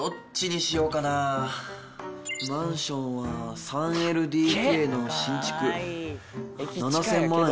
マンションは３ＬＤＫの新築７０００万円か。